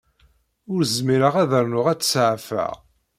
Ur zmireɣ ad rnuɣ ad tt-saɛfeɣ.